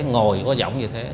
ngồi có giọng như thế